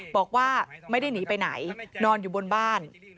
บอกว่าไม่ได้หนีไปไหนนอนอยู่บนบ้าน